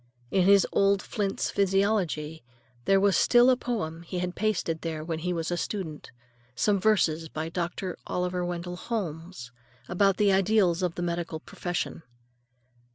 In his old Flint's Physiology there was still a poem he had pasted there when he was a student; some verses by Dr. Oliver Wendell Holmes about the ideals of the medical profession.